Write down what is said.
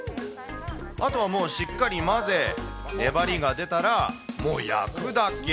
あとはもうしっかり混ぜ、粘りが出たら、もう焼くだけ。